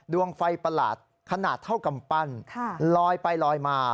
ดวงไฟประหลาดขนาดเท่ากำปั้นลอยไปลอยมา